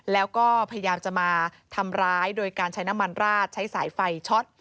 แล้วก็พยายามจะมาทำร้ายโดยการใช้น้ำมันราดใช้สายไฟช็อต